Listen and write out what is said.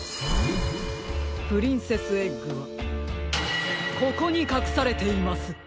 プリンセスエッグはここにかくされています！